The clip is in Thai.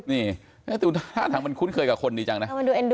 นี่ดูท่าทางมันคุ้นเคยกับคนดีจังนะ